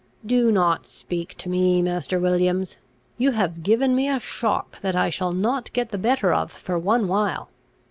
"Do not speak to me, Master Williams! You have given me a shock that I shall not get the better of for one while.